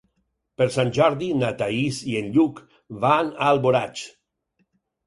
Per Sant Jordi na Thaís i en Lluc van a Alboraig.